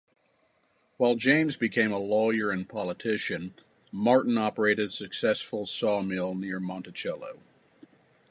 While James became a lawyer and politician, Martin operated a successful sawmill near Monticello.